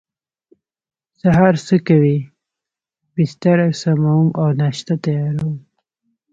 سهار څه کوئ؟ بستره سموم او ناشته تیاروم